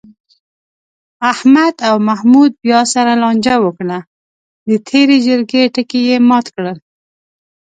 احمد او محمود بیا سره لانجه وکړه، د تېرې جرگې ټکی یې مات کړ.